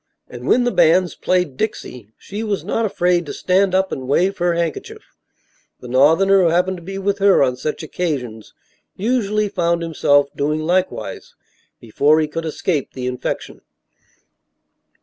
And when the bands played "Dixie" she was not afraid to stand up and wave her handkerchief. The northerner who happened to be with her on such occasions usually found himself doing likewise before he could escape the infection.